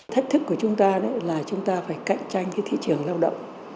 thách thức của chúng ta là chúng ta phải cạnh tranh cái thị trường lao động